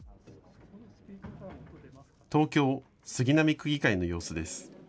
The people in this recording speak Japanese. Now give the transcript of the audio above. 東京・杉並区議会の様子です。